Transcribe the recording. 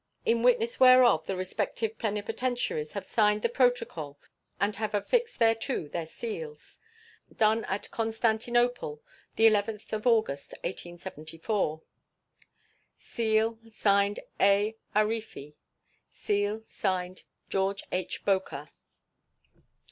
In witness whereof the respective plenipotentiaries have signed the protocol and have affixed thereto their seals. Done at Constantinople the 11th of August, 1874. [SEAL.] (Signed) A. AARIFI. [SEAL.] (Signed) GEO. H. BOKER.